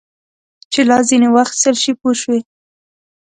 چې لاس ځینې واخیستل شي پوه شوې!.